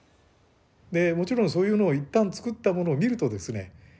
でもちろんそういうのを一旦作ったものを見るとですね